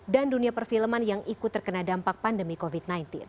dan dunia perfilman yang ikut terkena dampak pandemi covid sembilan belas